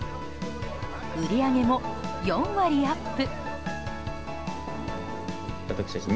売り上げも４割アップ。